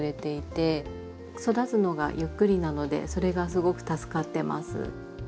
育つのがゆっくりなのでそれがすごく助かってます。